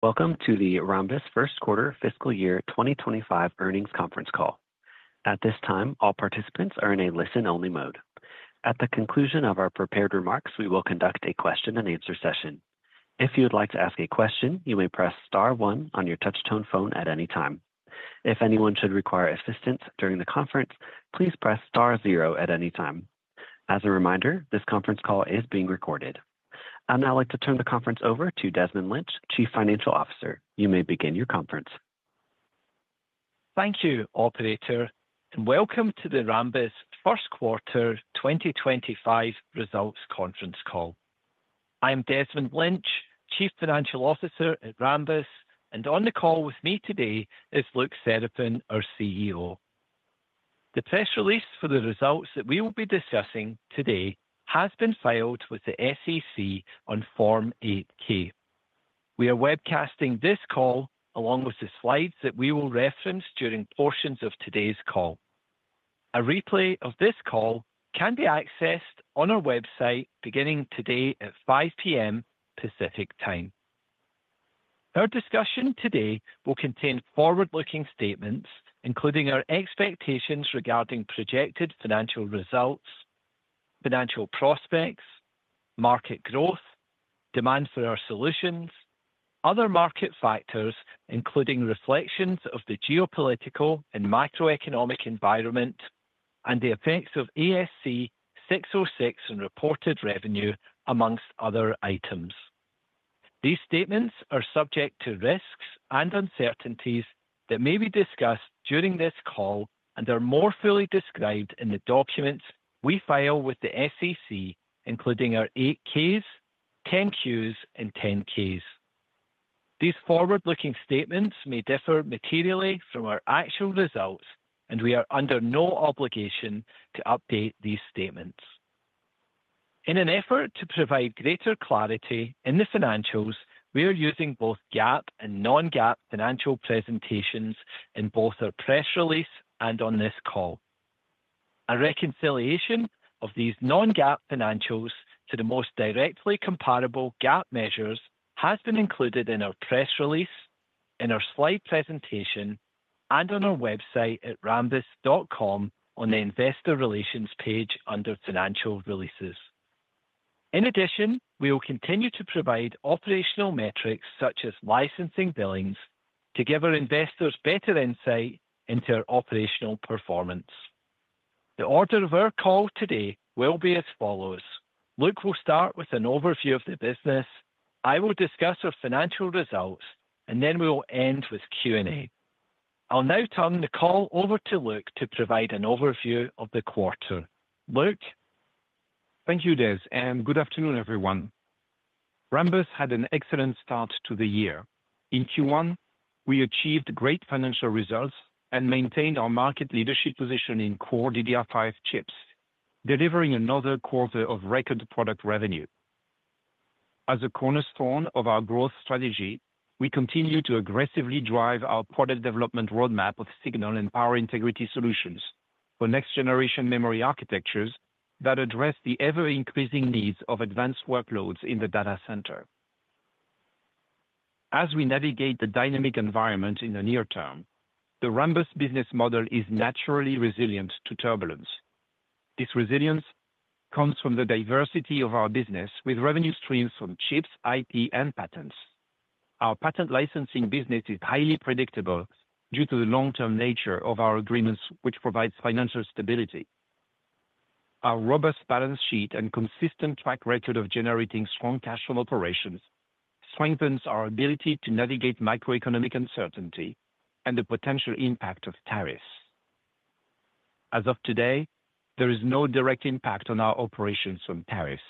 Welcome to the Rambus First Quarter Fiscal Year 2025 Earnings Conference Call. At this time, all participants are in a listen-only mode. At the conclusion of our prepared remarks, we will conduct a question-and-answer session. If you would like to ask a question, you may press Star 1 on your touch-tone phone at any time. If anyone should require assistance during the conference, please press Star 0 at any time. As a reminder, this conference call is being recorded. I'd now like to turn the conference over to Desmond Lynch, Chief Financial Officer. You may begin your conference. Thank you, Operator, and welcome to the Rambus First Quarter 2025 Results Conference Call. I am Desmond Lynch, Chief Financial Officer at Rambus, and on the call with me today is Luc Seraphin, our CEO. The press release for the results that we will be discussing today has been filed with the SEC on Form 8K. We are webcasting this call along with the slides that we will reference during portions of today's call. A replay of this call can be accessed on our website beginning today at 5:00 P.M. Pacific Time. Our discussion today will contain forward-looking statements, including our expectations regarding projected financial results, financial prospects, market growth, demand for our solutions, other market factors including reflections of the geopolitical and macroeconomic environment, and the effects of ASC 606 on reported revenue, amongst other items. These statements are subject to risks and uncertainties that may be discussed during this call and are more fully described in the documents we file with the SEC, including our 8Ks, 10Qs, and 10Ks. These forward-looking statements may differ materially from our actual results, and we are under no obligation to update these statements. In an effort to provide greater clarity in the financials, we are using both GAAP and non-GAAP financial presentations in both our press release and on this call. A reconciliation of these non-GAAP financials to the most directly comparable GAAP measures has been included in our press release, in our slide presentation, and on our website at rambus.com on the Investor Relations page under Financial Releases. In addition, we will continue to provide operational metrics such as licensing billings to give our investors better insight into our operational performance. The order of our call today will be as follows: Luc will start with an overview of the business, I will discuss our financial results, and then we will end with Q&A. I'll now turn the call over to Luc to provide an overview of the quarter. Luc. Thank you, Des. Good afternoon, everyone. Rambus had an excellent start to the year. In Q1, we achieved great financial results and maintained our market leadership position in core DDR5 chips, delivering another quarter of record product revenue. As a cornerstone of our growth strategy, we continue to aggressively drive our product development roadmap of Signal and Power Integrity Solutions for next-generation memory architectures that address the ever-increasing needs of advanced workloads in the data center. As we navigate the dynamic environment in the near term, the Rambus business model is naturally resilient to turbulence. This resilience comes from the diversity of our business, with revenue streams from chips, IP, and patents. Our patent licensing business is highly predictable due to the long-term nature of our agreements, which provides financial stability. Our robust balance sheet and consistent track record of generating strong cash flow operations strengthens our ability to navigate macroeconomic uncertainty and the potential impact of tariffs. As of today, there is no direct impact on our operations from tariffs.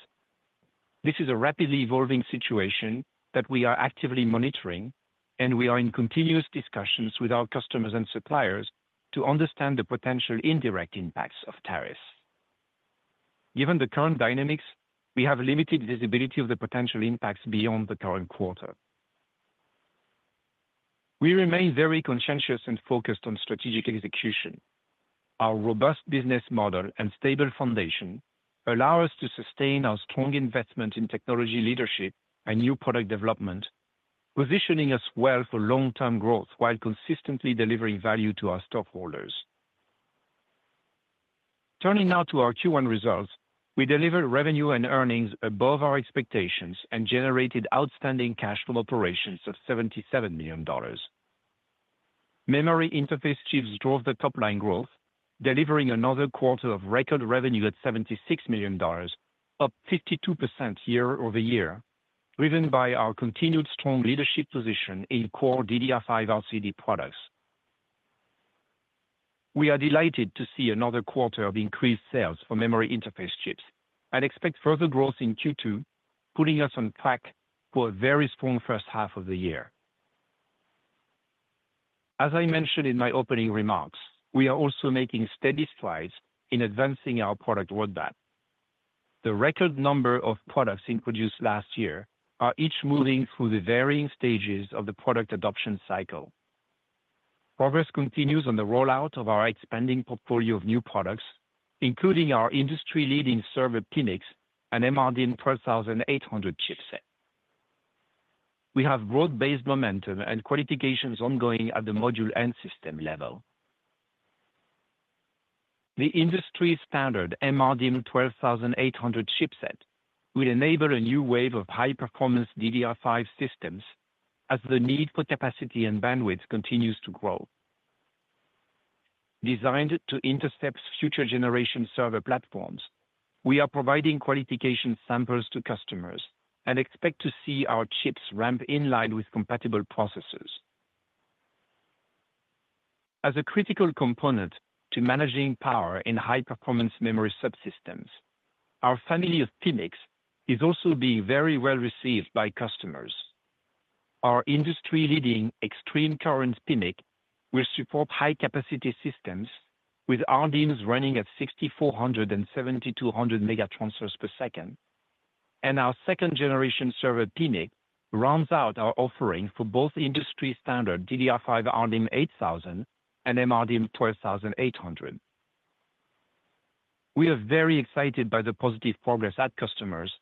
This is a rapidly evolving situation that we are actively monitoring, and we are in continuous discussions with our customers and suppliers to understand the potential indirect impacts of tariffs. Given the current dynamics, we have limited visibility of the potential impacts beyond the current quarter. We remain very conscientious and focused on strategic execution. Our robust business model and stable foundation allow us to sustain our strong investment in technology leadership and new product development, positioning us well for long-term growth while consistently delivering value to our stockholders. Turning now to our Q1 results, we delivered revenue and earnings above our expectations and generated outstanding cash flow operations of $77 million. Memory interface chips drove the top-line growth, delivering another quarter of record revenue at $76 million, up 52% year over year, driven by our continued strong leadership position in core DDR5 RCD products. We are delighted to see another quarter of increased sales for memory interface chips and expect further growth in Q2, putting us on track for a very strong first half of the year. As I mentioned in my opening remarks, we are also making steady strides in advancing our product roadmap. The record number of products introduced last year are each moving through the varying stages of the product adoption cycle. Progress continues on the rollout of our expanding portfolio of new products, including our industry-leading Server PMICs and MRDIMM 12800 chipset. We have growth-based momentum and qualifications ongoing at the module and system level. The industry-standard MRDIMM 12800 chipset will enable a new wave of high-performance DDR5 systems as the need for capacity and bandwidth continues to grow. Designed to intercept future-generation server platforms, we are providing qualification samples to customers and expect to see our chips ramp in line with compatible processors. As a critical component to managing power in high-performance memory subsystems, our family of PMICs is also being very well received by customers. Our industry-leading Extreme Current PMICs will support high-capacity systems with RDIMMs running at 6400 and 7200 megatransfers per second, and our second-generation Server PMICs rounds out our offering for both industry-standard DDR5 RDIMM 8000 and MRDIMM 12800. We are very excited by the positive progress at customers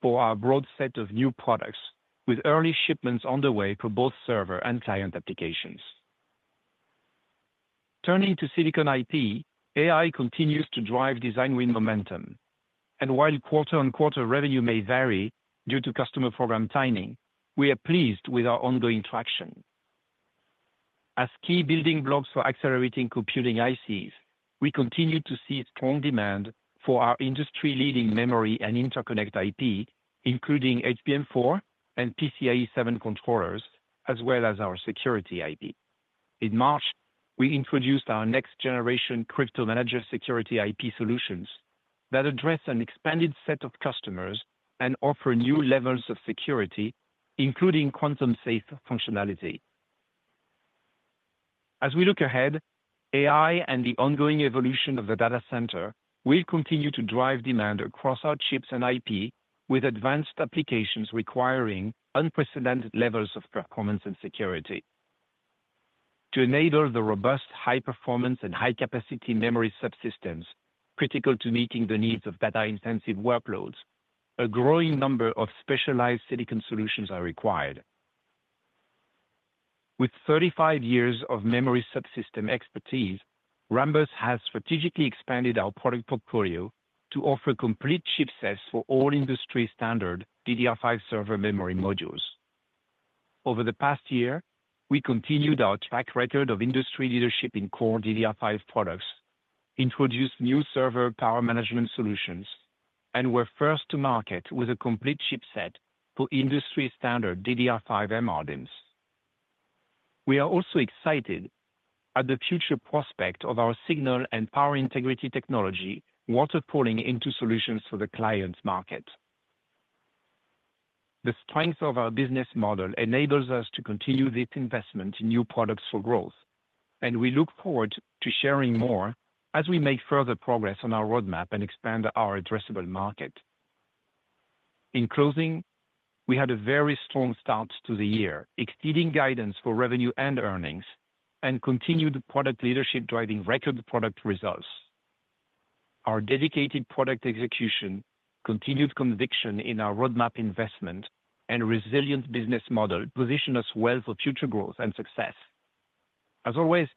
for our broad set of new products, with early shipments on the way for both server and client applications. Turning to Silicon IP, AI continues to drive design win momentum, and while quarter-on-quarter revenue may vary due to customer program timing, we are pleased with our ongoing traction. As key building blocks for accelerating computing ICs, we continue to see strong demand for our industry-leading memory and interconnect IP, including HBM4 and PCIe 7 controllers, as well as our security IP. In March, we introduced our next-generation Crypto Manager security IP solutions that address an expanded set of customers and offer new levels of security, including quantum-safe functionality. As we look ahead, AI and the ongoing evolution of the data center will continue to drive demand across our chips and IP with advanced applications requiring unprecedented levels of performance and security. To enable the robust, high-performance and high-capacity memory subsystems critical to meeting the needs of data-intensive workloads, a growing number of specialized silicon solutions are required. With 35 years of memory subsystem expertise, Rambus has strategically expanded our product portfolio to offer complete chipsets for all industry-standard DDR5 server memory modules. Over the past year, we continued our track record of industry leadership in core DDR5 products, introduced new server power management solutions, and were first to market with a complete chipset for industry-standard DDR5 MRDIMMs. We are also excited at the future prospect of our Signal and Power Integrity Technology water faling into solutions for the client market. The strength of our business model enables us to continue this investment in new products for growth, and we look forward to sharing more as we make further progress on our roadmap and expand our addressable market. In closing, we had a very strong start to the year, exceeding guidance for revenue and earnings, and continued product leadership driving record product results. Our dedicated product execution, continued conviction in our roadmap investment, and resilient business model position us well for future growth and success. As always,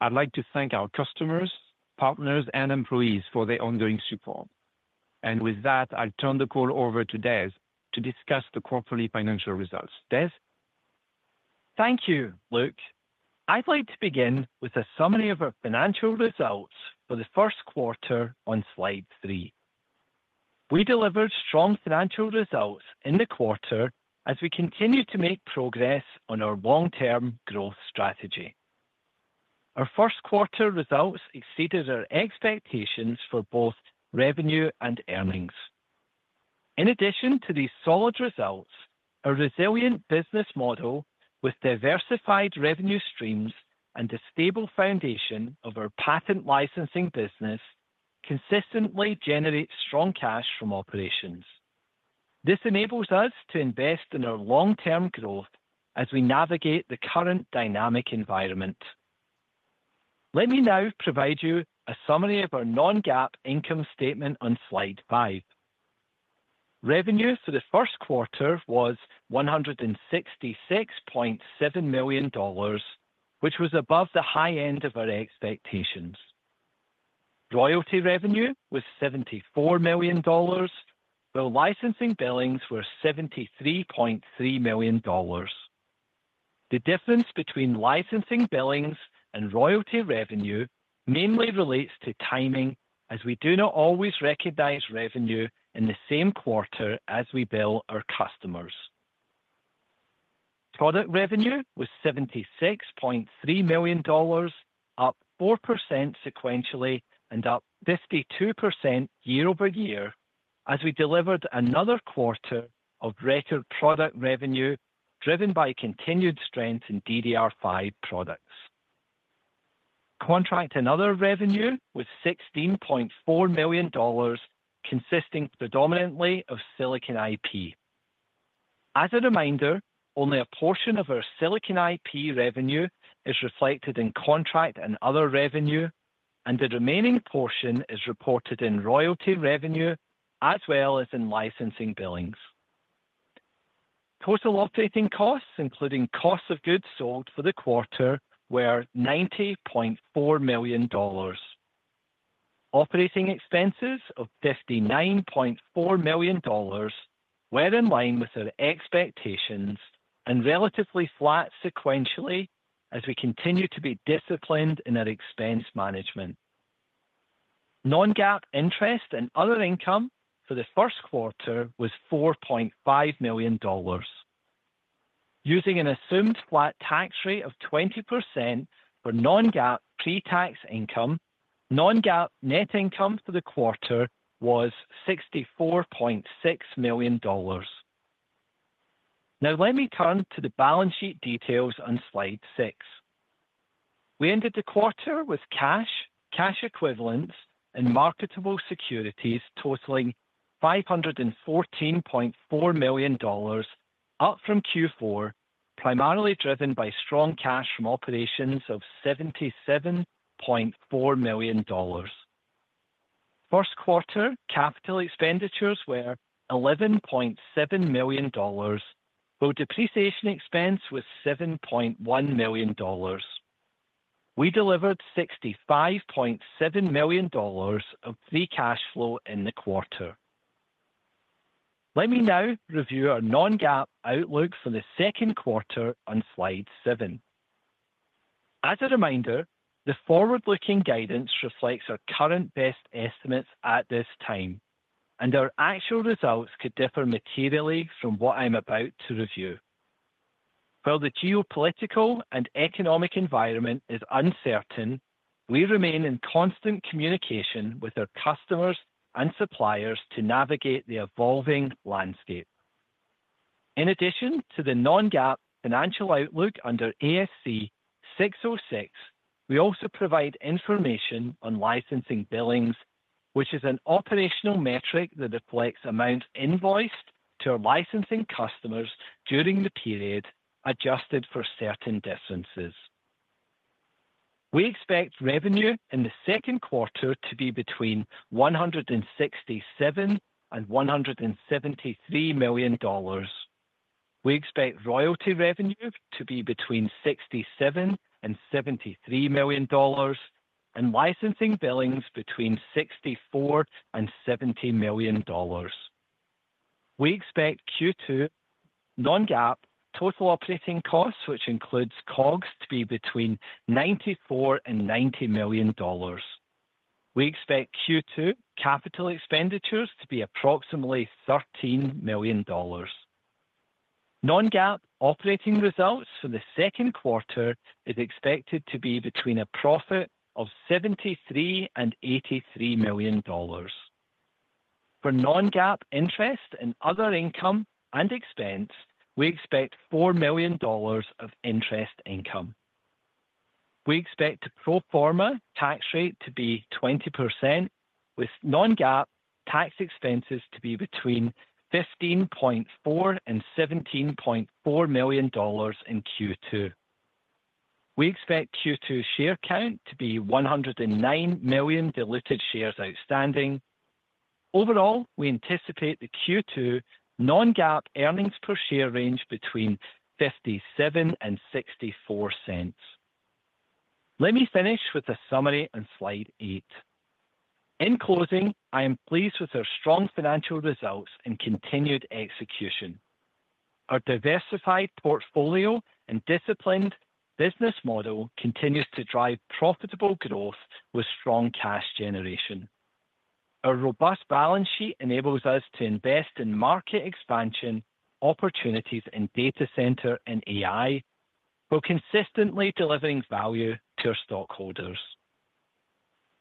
I'd like to thank our customers, partners, and employees for their ongoing support. With that, I'll turn the call over to Des to discuss the quarterly financial results. Des? Thank you, Luc. I'd like to begin with a summary of our financial results for the first quarter on slide three. We delivered strong financial results in the quarter as we continue to make progress on our long-term growth strategy. Our first quarter results exceeded our expectations for both revenue and earnings. In addition to these solid results, our resilient business model with diversified revenue streams and a stable foundation of our patent licensing business consistently generates strong cash from operations. This enables us to invest in our long-term growth as we navigate the current dynamic environment. Let me now provide you a summary of our non-GAAP income statement on slide five. Revenue for the first quarter was $166.7 million, which was above the high end of our expectations. Royalty revenue was $74 million, while licensing billings were $73.3 million. The difference between licensing billings and royalty revenue mainly relates to timing, as we do not always recognize revenue in the same quarter as we bill our customers. Product revenue was $76.3 million, up 4% sequentially and up 52% year over year as we delivered another quarter of record product revenue driven by continued strength in DDR5 products. Contract and other revenue was $16.4 million, consisting predominantly of silicon IP. As a reminder, only a portion of our silicon IP revenue is reflected in contract and other revenue, and the remaining portion is reported in royalty revenue as well as in licensing billings. Total operating costs, including cost of goods sold for the quarter, were $90.4 million. Operating expenses of $59.4 million were in line with our expectations and relatively flat sequentially as we continue to be disciplined in our expense management. Non-GAAP interest and other income for the first quarter was $4.5 million. Using an assumed flat tax rate of 20% for non-GAAP pre-tax income, non-GAAP net income for the quarter was $64.6 million. Now, let me turn to the balance sheet details on slide six. We ended the quarter with cash, cash equivalents, and marketable securities totaling $514.4 million, up from Q4, primarily driven by strong cash from operations of $77.4 million. First quarter capital expenditures were $11.7 million, while depreciation expense was $7.1 million. We delivered $65.7 million of free cash flow in the quarter. Let me now review our non-GAAP outlook for the second quarter on slide seven. As a reminder, the forward-looking guidance reflects our current best estimates at this time, and our actual results could differ materially from what I'm about to review. While the geopolitical and economic environment is uncertain, we remain in constant communication with our customers and suppliers to navigate the evolving landscape. In addition to the non-GAAP financial outlook under ASC 606, we also provide information on licensing billings, which is an operational metric that reflects amounts invoiced to our licensing customers during the period adjusted for certain differences. We expect revenue in the second quarter to be between $167 million and $173 million. We expect royalty revenue to be between $67 million and $73 million, and licensing billings between $64 million and $70 million. We expect Q2 non-GAAP total operating costs, which includes COGS, to be between $94 million and $90 million. We expect Q2 capital expenditures to be approximately $13 million. Non-GAAP operating results for the second quarter are expected to be between a profit of $73 million and $83 million. For non-GAAP interest and other income and expense, we expect $4 million of interest income. We expect the pro forma tax rate to be 20%, with non-GAAP tax expenses to be between $15.4 million and $17.4 million in Q2. We expect Q2 share count to be 109 million diluted shares outstanding. Overall, we anticipate the Q2 non-GAAP earnings per share range between $0.57 and $0.64. Let me finish with a summary on slide eight. In closing, I am pleased with our strong financial results and continued execution. Our diversified portfolio and disciplined business model continues to drive profitable growth with strong cash generation. Our robust balance sheet enables us to invest in market expansion opportunities in data center and AI, while consistently delivering value to our stockholders.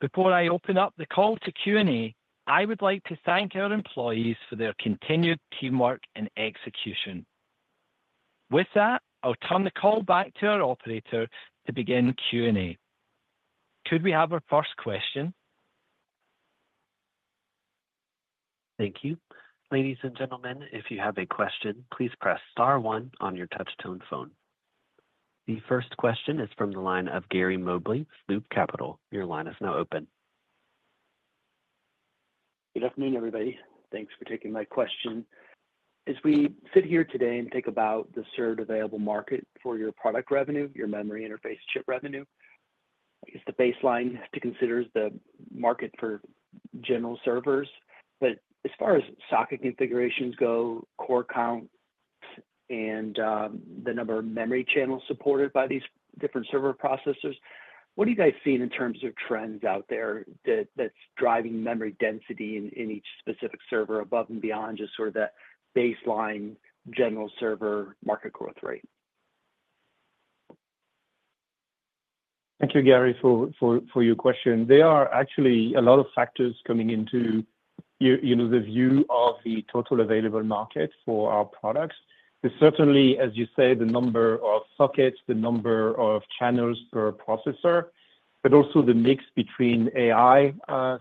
Before I open up the call to Q&A, I would like to thank our employees for their continued teamwork and execution. With that, I'll turn the call back to our operator to begin Q&A. Could we have our first question? Thank you. Ladies and gentlemen, if you have a question, please press star one on your touchtone phone. The first question is from the line of Gary Mobley, Loop Capital. Your line is now open. Good afternoon, everybody. Thanks for taking my question. As we sit here today and think about the served available market for your product revenue, your memory interface chip revenue, I guess the baseline to consider is the market for general servers. As far as socket configurations go, core counts, and the number of memory channels supported by these different server processors, what are you guys seeing in terms of trends out there that's driving memory density in each specific server above and beyond just sort of that baseline general server market growth rate? Thank you, Gary, for your question. There are actually a lot of factors coming into the view of the total available market for our products. It's certainly, as you say, the number of sockets, the number of channels per processor, but also the mix between AI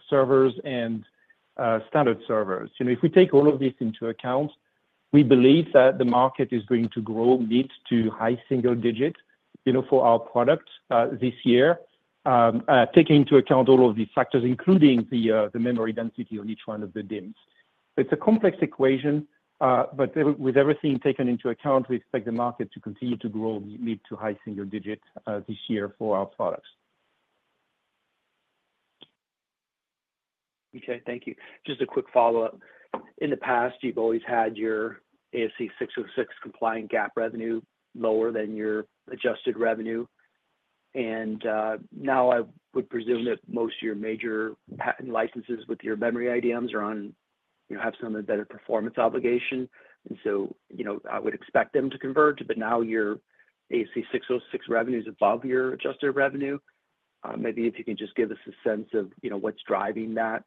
servers and standard servers. If we take all of this into account, we believe that the market is going to grow mid to high single digit for our product this year, taking into account all of these factors, including the memory density on each one of the DIMMs. It's a complex equation, but with everything taken into account, we expect the market to continue to grow mid to high single digit this year for our products. Okay, thank you. Just a quick follow-up. In the past, you've always had your ASC 606 compliant GAAP revenue lower than your adjusted revenue. Now I would presume that most of your major patent licenses with your memory IDMs are on, have some of the better performance obligation. I would expect them to converge, but now your ASC 606 revenue is above your adjusted revenue. Maybe if you can just give us a sense of what's driving that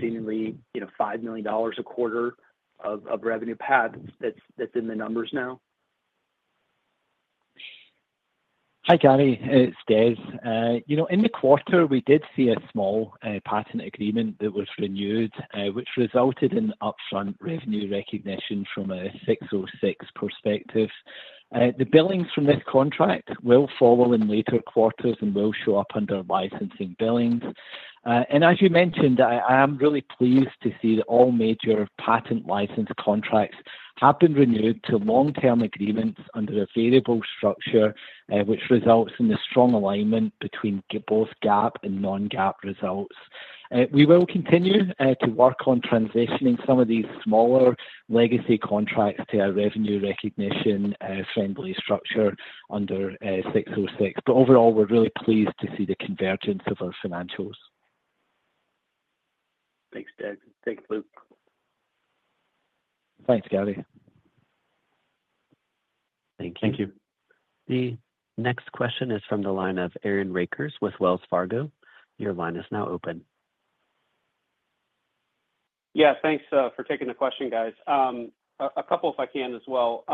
seemingly $5 million a quarter of revenue path that's in the numbers now. Hi Gary, it's Des. In the quarter, we did see a small patent agreement that was renewed, which resulted in upfront revenue recognition from a 606 perspective. The billings from this contract will follow in later quarters and will show up under licensing billings. As you mentioned, I am really pleased to see that all major patent license contracts have been renewed to long-term agreements under a variable structure, which results in a strong alignment between both GAAP and non-GAAP results. We will continue to work on transitioning some of these smaller legacy contracts to a revenue recognition-friendly structure under 606. Overall, we're really pleased to see the convergence of our financials. Thanks, Des. Thanks, Luc. Thanks, Gary. Thank you. Thank you. The next question is from the line of Aaron Rakers with Wells Fargo. Your line is now open. Yeah, thanks for taking the question, guys. A couple, if I can, as well.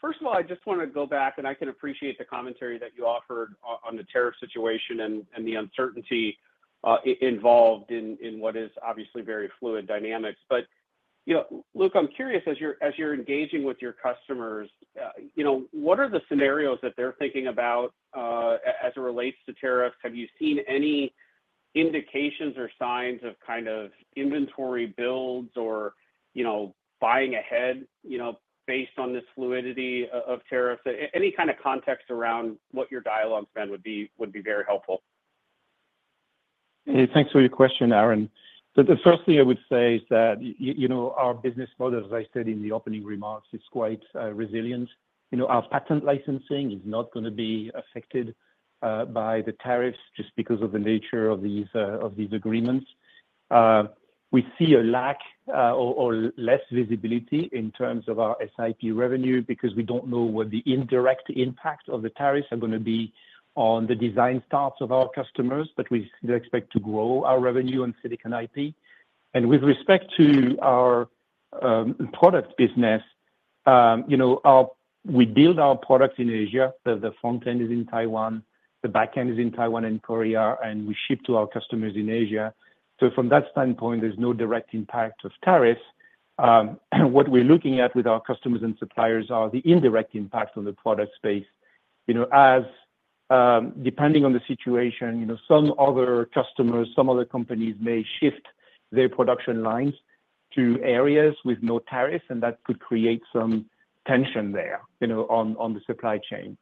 First of all, I just want to go back, and I can appreciate the commentary that you offered on the tariff situation and the uncertainty involved in what is obviously very fluid dynamics. Luc, I'm curious, as you're engaging with your customers, what are the scenarios that they're thinking about as it relates to tariffs? Have you seen any indications or signs of kind of inventory builds or buying ahead based on this fluidity of tariffs? Any kind of context around what your dialogue span would be very helpful. Thanks for your question, Aaron. The first thing I would say is that our business model, as I said in the opening remarks, is quite resilient. Our patent licensing is not going to be affected by the tariffs just because of the nature of these agreements. We see a lack or less visibility in terms of our SIP revenue because we do not know what the indirect impact of the tariffs are going to be on the design starts of our customers, but we still expect to grow our revenue on silicon IP. With respect to our product business, we build our products in Asia. The front end is in Taiwan, the back end is in Taiwan and Korea, and we ship to our customers in Asia. From that standpoint, there is no direct impact of tariffs. What we're looking at with our customers and suppliers are the indirect impact on the product space. Depending on the situation, some other customers, some other companies may shift their production lines to areas with no tariffs, and that could create some tension there on the supply chain.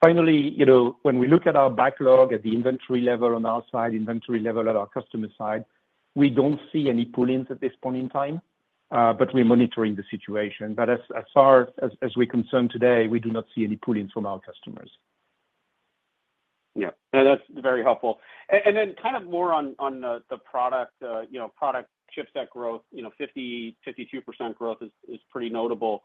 Finally, when we look at our backlog at the inventory level on our side, inventory level at our customer side, we don't see any pullings at this point in time, but we're monitoring the situation. As far as we're concerned today, we do not see any pullings from our customers. Yeah. No, that's very helpful. Then kind of more on the product, product chip set growth, 50, 52% growth is pretty notable.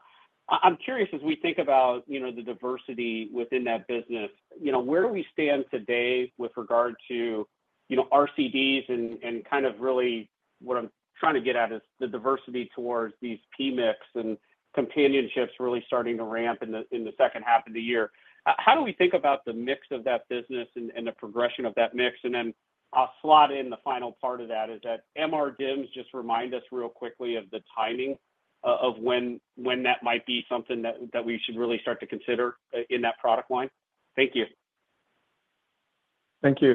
I'm curious, as we think about the diversity within that business, where do we stand today with regard to RCDs? Kind of really what I'm trying to get at is the diversity towards these PMICs and companions hips really starting to ramp in the second half of the year. How do we think about the mix of that business and the progression of that mix? I'll slot in the final part of that. Is that MRDIMMs, just remind us real quickly of the timing of when that might be something that we should really start to consider in that product line? Thank you. Thank you.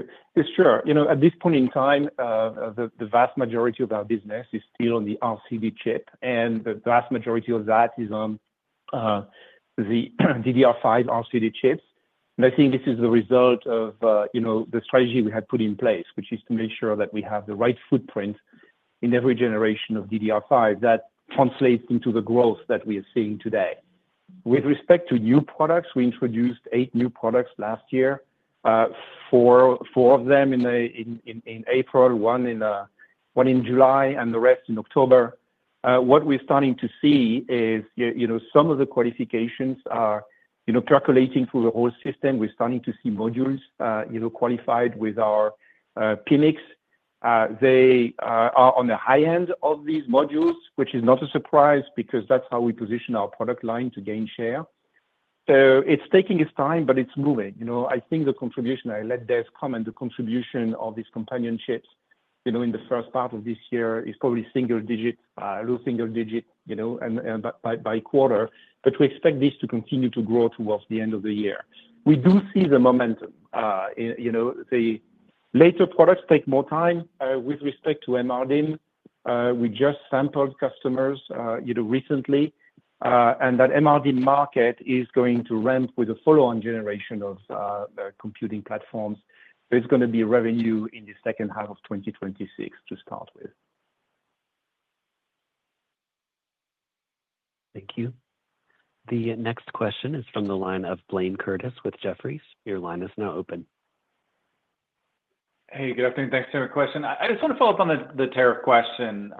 Sure. At this point in time, the vast majority of our business is still on the RCD chip, and the vast majority of that is on the DDR5 RCD chips. I think this is the result of the strategy we had put in place, which is to make sure that we have the right footprint in every generation of DDR5 that translates into the growth that we are seeing today. With respect to new products, we introduced eight new products last year, four of them in April, one in July, and the rest in October. What we're starting to see is some of the qualifications are percolating through the whole system. We're starting to see modules qualified with our PMICs. They are on the high end of these modules, which is not a surprise because that's how we position our product line to gain share. It's taking its time, but it's moving. I think the contribution, I'll let Des come, and the contribution of these companions hips in the first part of this year is probably single digit, low single digit by quarter, but we expect this to continue to grow towards the end of the year. We do see the momentum. The later products take more time. With respect to MRDIMM, we just sampled customers recently, and that MRDIMM market is going to ramp with the follow-on generation of computing platforms. There's going to be revenue in the second half of 2026 to start with. Thank you. The next question is from the line of Blayne Curtis with Jefferies. Your line is now open. Hey, good afternoon. Thanks for the question. I just want to follow up on the tariff question.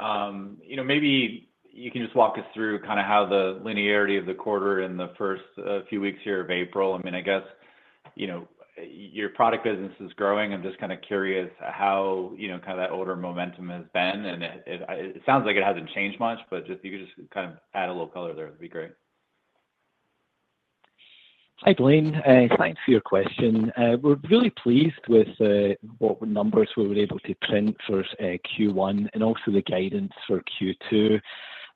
Maybe you can just walk us through kind of how the linearity of the quarter in the first few weeks here of April. I mean, I guess your product business is growing. I'm just kind of curious how kind of that older momentum has been. I mean, it sounds like it hasn't changed much, but if you could just kind of add a little color there, it'd be great. Hi, Blaine. Thanks for your question. We're really pleased with what numbers we were able to print for Q1 and also the guidance for Q2.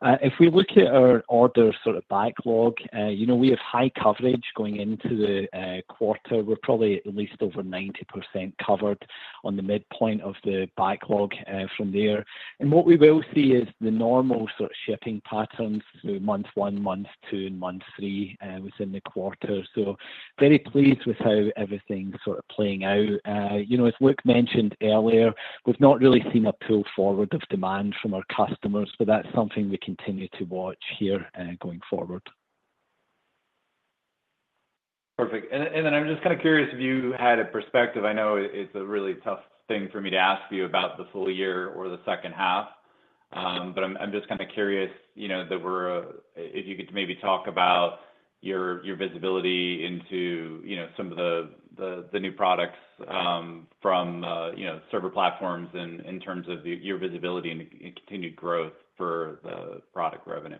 If we look at our order sort of backlog, we have high coverage going into the quarter. We're probably at least over 90% covered on the midpoint of the backlog from there. What we will see is the normal sort of shipping patterns through month one, month two, and month three within the quarter. Very pleased with how everything's sort of playing out. As Luc mentioned earlier, we've not really seen a pull forward of demand from our customers, but that's something we continue to watch here going forward. Perfect. I'm just kind of curious if you had a perspective. I know it's a really tough thing for me to ask you about the full year or the second half, but I'm just kind of curious that if you could maybe talk about your visibility into some of the new products from server platforms in terms of your visibility and continued growth for the product revenue.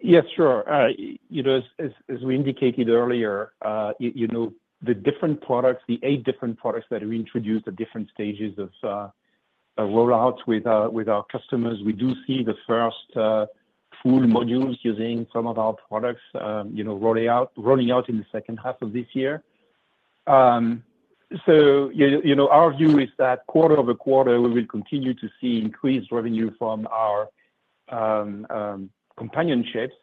Yes, sure. As we indicated earlier, the different products, the eight different products that we introduced at different stages of rollout with our customers, we do see the first full modules using some of our products rolling out in the second half of this year. Our view is that quarter over quarter, we will continue to see increased revenue from our companions hips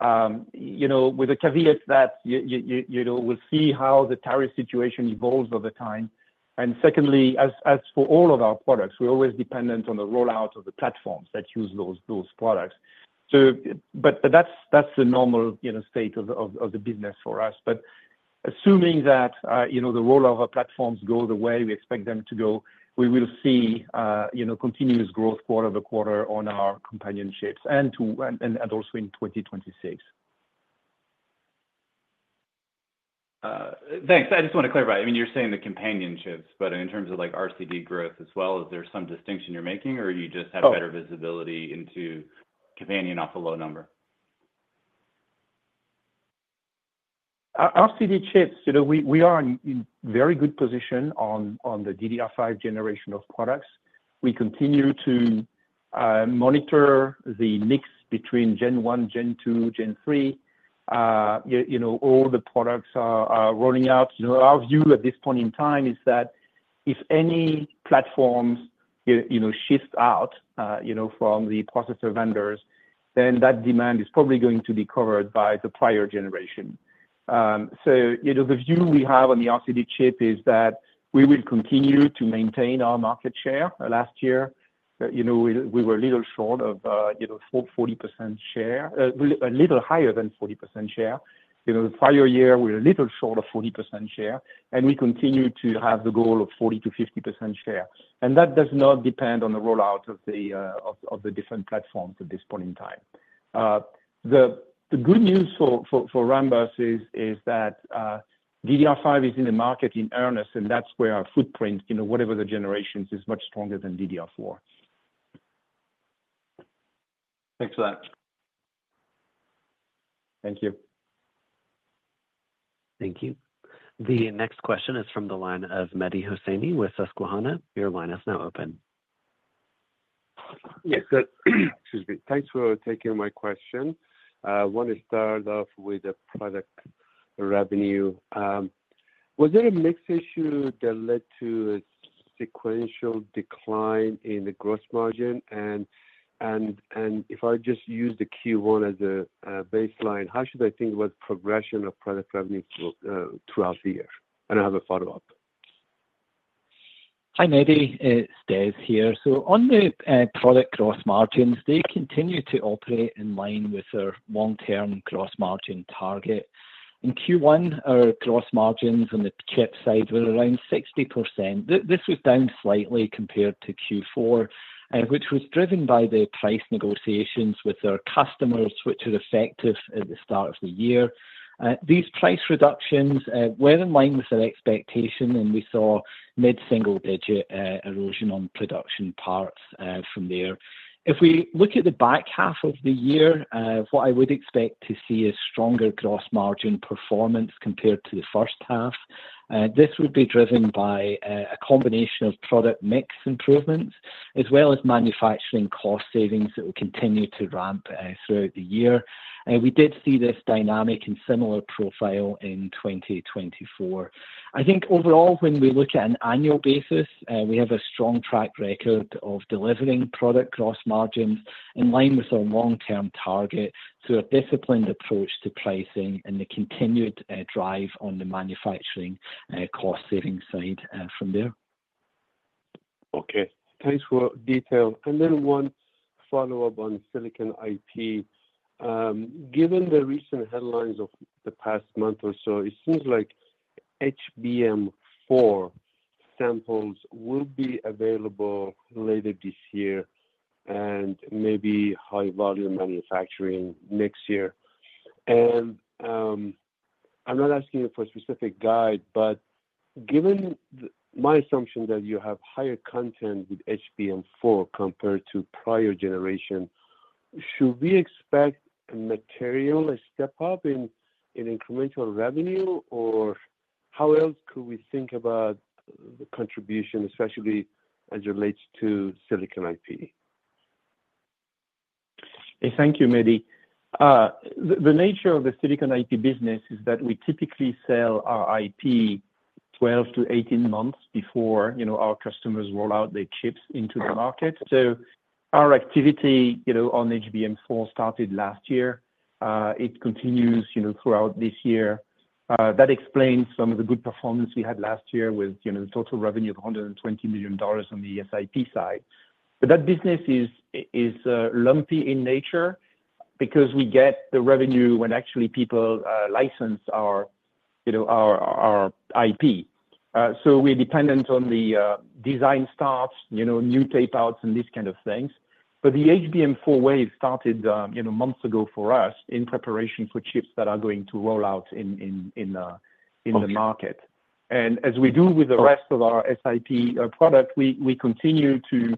with the caveat that we'll see how the tariff situation evolves over time. Secondly, as for all of our products, we're always dependent on the rollout of the platforms that use those products. That's the normal state of the business for us. Assuming that the rollout of our platforms goes the way we expect them to go, we will see continuous growth quarter over quarter on our companions hips and also in 2026. Thanks. I just want to clarify. I mean, you're saying the companions hips, but in terms of RCD growth as well, is there some distinction you're making, or do you just have better visibility into companion off a low number? RCD chips, we are in very good position on the DDR5 generation of products. We continue to monitor the mix between Gen 1, Gen 2, Gen 3. All the products are rolling out. Our view at this point in time is that if any platforms shift out from the processor vendors, that demand is probably going to be covered by the prior generation. The view we have on the RCD chip is that we will continue to maintain our market share. Last year, we were a little short of 40% share, a little higher than 40% share. The prior year, we were a little short of 40% share, and we continue to have the goal of 40-50% share. That does not depend on the rollout of the different platforms at this point in time. The good news for Rambus is that DDR5 is in the market in earnest, and that's where our footprint, whatever the generations, is much stronger than DDR4. Thanks for that. Thank you. Thank you. The next question is from the line of Mehdi Hosseini with Susquehanna. Your line is now open. Yes. Excuse me. Thanks for taking my question. I want to start off with the product revenue. Was there a mix issue that led to a sequential decline in the gross margin? If I just use the Q1 as a baseline, how should I think about progression of product revenue throughout the year? I have a follow-up. Hi, Mehdi. It's Des here. On the product gross margins, they continue to operate in line with our long-term gross margin target. In Q1, our gross margins on the chip side were around 60%. This was down slightly compared to Q4, which was driven by the price negotiations with our customers, which were effective at the start of the year. These price reductions were in line with our expectation, and we saw mid-single digit erosion on production parts from there. If we look at the back half of the year, what I would expect to see is stronger gross margin performance compared to the first half. This would be driven by a combination of product mix improvements as well as manufacturing cost savings that will continue to ramp throughout the year. We did see this dynamic in similar profile in 2024. I think overall, when we look at an annual basis, we have a strong track record of delivering product gross margins in line with our long-term target through a disciplined approach to pricing and the continued drive on the manufacturing cost savings side from there. Okay. Thanks for detail. One follow-up on silicon IP. Given the recent headlines of the past month or so, it seems like HBM4 samples will be available later this year and maybe high-volume manufacturing next year. I'm not asking you for a specific guide, but given my assumption that you have higher content with HBM4 compared to prior generation, should we expect a material step up in incremental revenue, or how else could we think about the contribution, especially as it relates to silicon IP? Thank you, Mehdi. The nature of the silicon IP business is that we typically sell our IP 12 to 18 months before our customers roll out their chips into the market. Our activity on HBM4 started last year. It continues throughout this year. That explains some of the good performance we had last year with total revenue of $120 million on the SIP side. That business is lumpy in nature because we get the revenue when actually people license our IP. We are dependent on the design starts, new tapeouts, and these kind of things. The HBM4 wave started months ago for us in preparation for chips that are going to roll out in the market. As we do with the rest of our SIP product, we continue to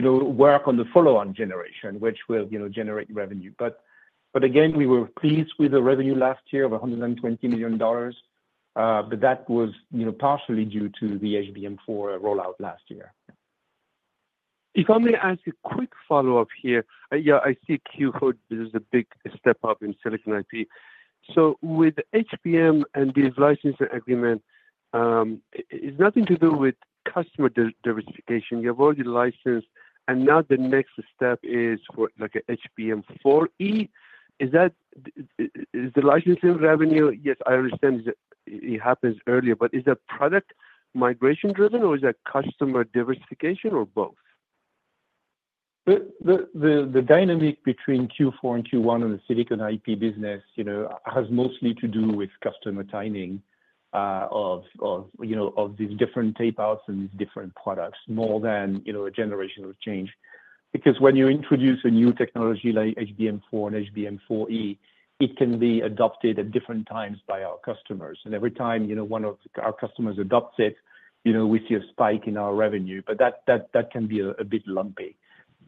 work on the follow-on generation, which will generate revenue. We were pleased with the revenue last year of $120 million, but that was partially due to the HBM4 rollout last year. If I may ask a quick follow-up here, I see Q4 is a big step up in silicon IP. With HBM and these licensing agreements, it's nothing to do with customer diversification. You have already licensed, and now the next step is for HBM4E. Is the licensing revenue—I understand it happens earlier, but is the product migration driven, or is that customer diversification, or both? The dynamic between Q4 and Q1 in the silicon IP business has mostly to do with customer timing of these different tapeouts and these different products more than a generation of change. Because when you introduce a new technology like HBM4 and HBM4E, it can be adopted at different times by our customers. Every time one of our customers adopts it, we see a spike in our revenue, but that can be a bit lumpy.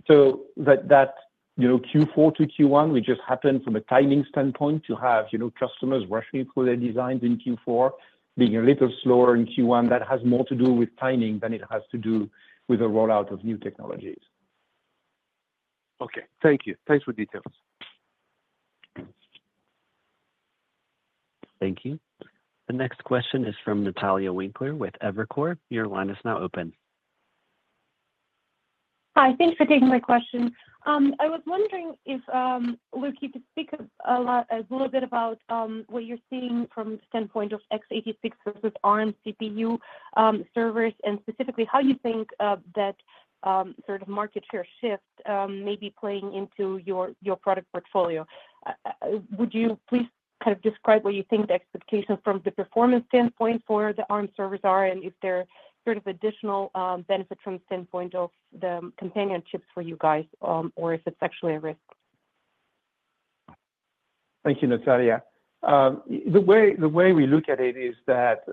That Q4 to Q1, we just happened from a timing standpoint to have customers rushing through their designs in Q4, being a little slower in Q1. That has more to do with timing than it has to do with the rollout of new technologies. Okay. Thank you. Thanks for details. Thank you. The next question is from Natalia Winkler with Evercore. Your line is now open. Hi. Thanks for taking my question. I was wondering if Luc could speak a little bit about what you're seeing from the standpoint of x86 versus ARM CPU servers, and specifically how you think that sort of market share shift may be playing into your product portfolio. Would you please kind of describe what you think the expectations from the performance standpoint for the ARM servers are, and is there sort of additional benefit from the standpoint of the companion chips for you guys, or if it's actually a risk? Thank you, Natalia. The way we look at it is that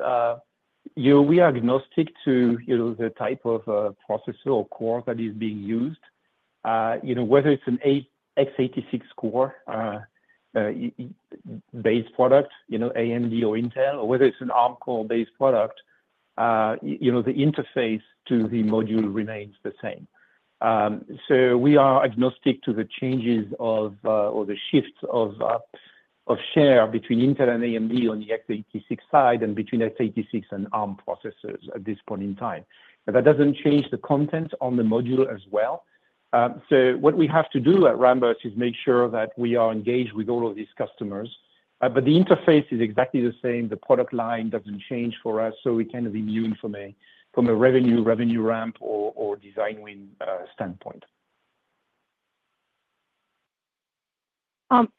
we are agnostic to the type of processor or core that is being used. Whether it's an x86 core-based product, AMD or Intel, or whether it's an ARM core-based product, the interface to the module remains the same. We are agnostic to the changes or the shifts of share between Intel and AMD on the x86 side and between x86 and ARM processors at this point in time. That doesn't change the content on the module as well. What we have to do at Rambus is make sure that we are engaged with all of these customers. The interface is exactly the same. The product line doesn't change for us, so we can be immune from a revenue, revenue ramp, or design win standpoint.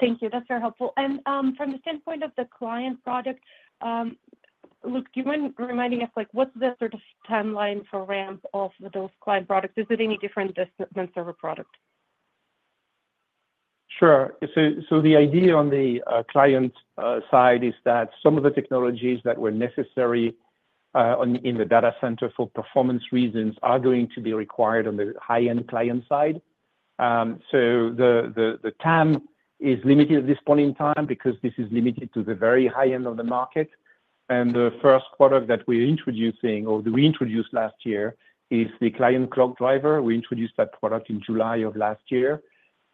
Thank you. That's very helpful. From the standpoint of the client product, Luc, do you mind reminding us what's the sort of timeline for ramp of those client products? Is it any different than server product? Sure. The idea on the client side is that some of the technologies that were necessary in the data center for performance reasons are going to be required on the high-end client side. The TAM is limited at this point in time because this is limited to the very high end of the market. The first product that we're introducing, or we introduced last year, is the Client Clock Driver. We introduced that product in July of last year,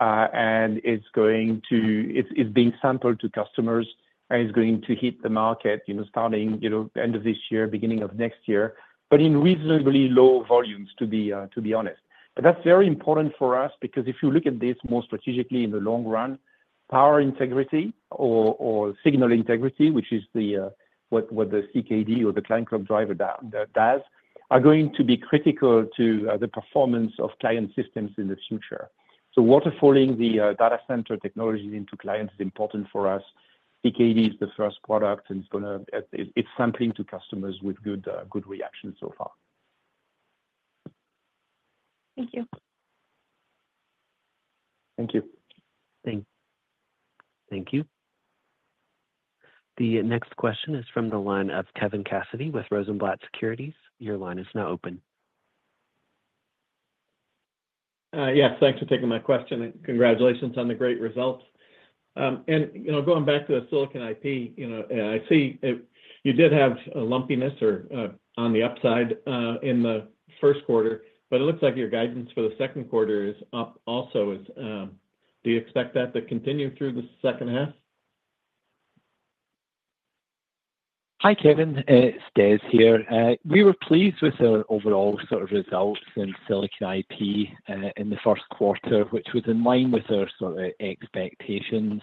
and it's being sampled to customers, and it's going to hit the market starting end of this year, beginning of next year, but in reasonably low volumes, to be honest. That is very important for us because if you look at this more strategically in the long run, power integrity or signal integrity, which is what the CKD or the Client Clock Driver does, are going to be critical to the performance of client systems in the future. Waterfalling the data center technologies into clients is important for us. CKD is the first product, and it is sampling to customers with good reactions so far. Thank you. Thank you. Thank you. The next question is from the line of Kevin Cassidy with Rosenblatt Securities. Your line is now open. Yes. Thanks for taking my question. Congratulations on the great results. Going back to the silicon IP, I see you did have a lumpiness on the upside in the first quarter, but it looks like your guidance for the second quarter is up also. Do you expect that to continue through the second half? Hi, Kevin. It's Des here. We were pleased with the overall sort of results in silicon IP in the first quarter, which was in line with our sort of expectations.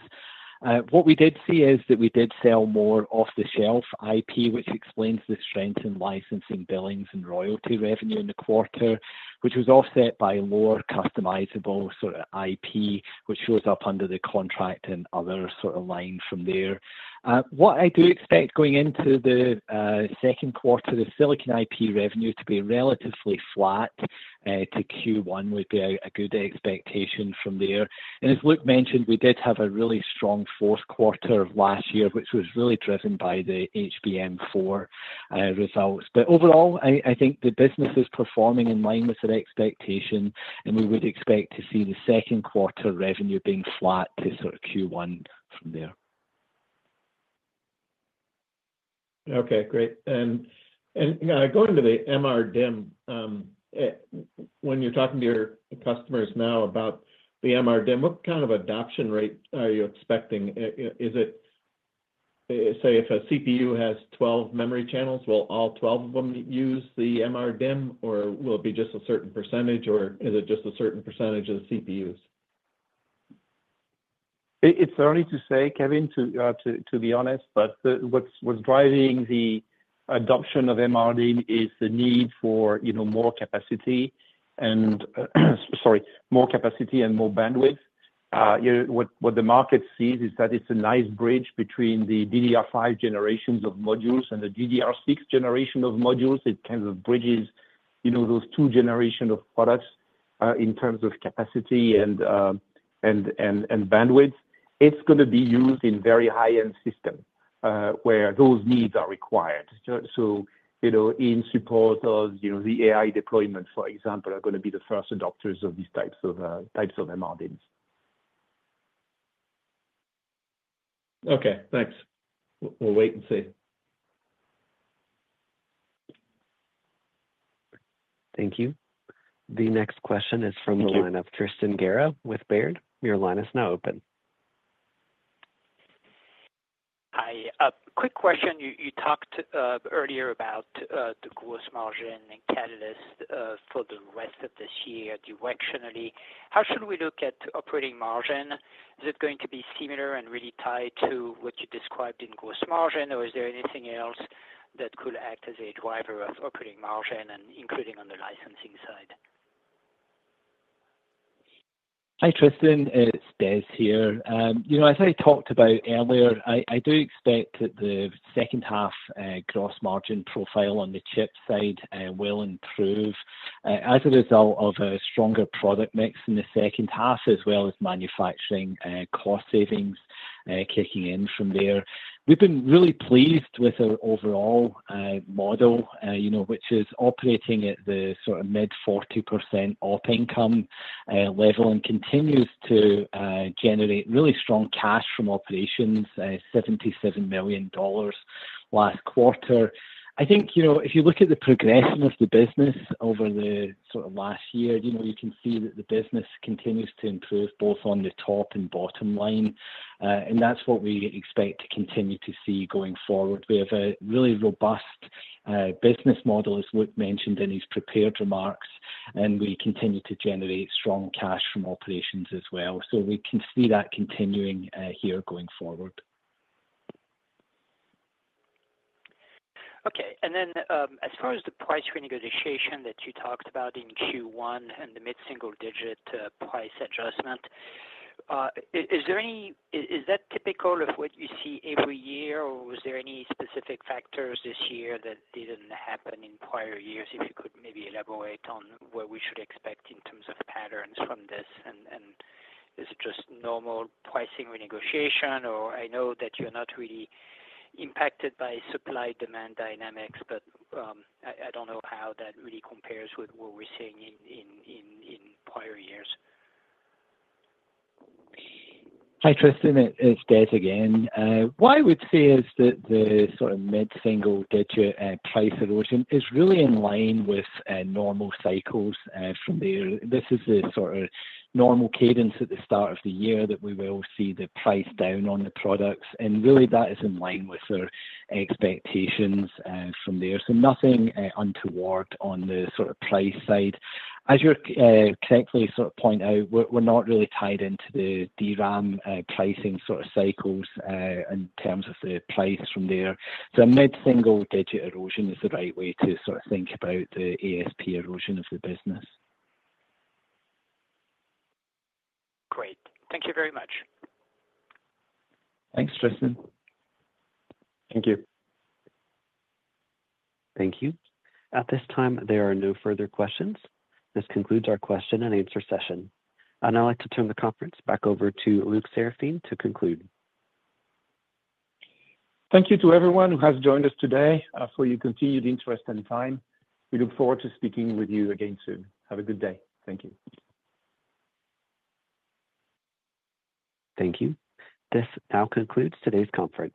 What we did see is that we did sell more off-the-shelf IP, which explains the strength in licensing, billings, and royalty revenue in the quarter, which was offset by lower customizable sort of IP, which shows up under the contract and other sort of lines from there. What I do expect going into the second quarter, the silicon IP revenue to be relatively flat to Q1 would be a good expectation from there. As Luc mentioned, we did have a really strong fourth quarter of last year, which was really driven by the HBM4 results. Overall, I think the business is performing in line with the expectation, and we would expect to see the second quarter revenue being flat to sort of Q1 from there. Okay. Great. Going to the MRDIMM, when you're talking to your customers now about the MRDIMM, what kind of adoption rate are you expecting? Is it, say, if a CPU has 12 memory channels, will all 12 of them use the MRDIMM, or will it be just a certain percentage, or is it just a certain percentage of the CPUs? It's early to say, Kevin, to be honest, but what's driving the adoption of MRDIMM is the need for more capacity and, sorry, more capacity and more bandwidth. What the market sees is that it's a nice bridge between the DDR5 generations of modules and the DDR6 generation of modules. It kind of bridges those two generations of products in terms of capacity and bandwidth. It's going to be used in very high-end systems where those needs are required. In support of the AI deployment, for example, are going to be the first adopters of these types of MRDIMMs. Okay. Thanks. We'll wait and see. Thank you. The next question is from the line of Tristan Gerra with Baird. Your line is now open. Hi. Quick question. You talked earlier about the gross margin catalyst for the rest of this year directionally. How should we look at operating margin? Is it going to be similar and really tied to what you described in gross margin, or is there anything else that could act as a driver of operating margin, including on the licensing side? Hi, Kristen. It's Des here. As I talked about earlier, I do expect that the second half gross margin profile on the chip side will improve as a result of a stronger product mix in the second half, as well as manufacturing cost savings kicking in from there. We've been really pleased with our overall model, which is operating at the sort of mid 40% op income level and continues to generate really strong cash from operations, $77 million last quarter. I think if you look at the progression of the business over the sort of last year, you can see that the business continues to improve both on the top and bottom line, and that's what we expect to continue to see going forward. We have a really robust business model, as Luc mentioned in his prepared remarks, and we continue to generate strong cash from operations as well. We can see that continuing here going forward. Okay. As far as the price renegotiation that you talked about in Q1 and the mid single-digit price adjustment, is that typical of what you see every year, or was there any specific factors this year that did not happen in prior years? If you could maybe elaborate on what we should expect in terms of patterns from this, and is it just normal pricing renegotiation, or I know that you are not really impacted by supply-demand dynamics, but I do not know how that really compares with what we are seeing in prior years. Hi, Kristen. It's Des again. What I would see is that the sort of mid single-digit price adjustment is really in line with normal cycles from there. This is the sort of normal cadence at the start of the year that we will see the price down on the products, and really that is in line with our expectations from there. Nothing untoward on the sort of price side. As you correctly sort of point out, we're not really tied into the DRAM pricing sort of cycles in terms of the price from there. A mid single-digit erosion is the right way to sort of think about the ASP erosion of the business. Great. Thank you very much. Thanks, risten. Thank you. Thank you. At this time, there are no further questions. This concludes our question and answer session. I would like to turn the conference back over to Luc Seraphin to conclude. Thank you to everyone who has joined us today for your continued interest and time. We look forward to speaking with you again soon. Have a good day. Thank you. Thank you. This now concludes today's conference.